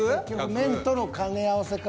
麺との兼ね合わせか。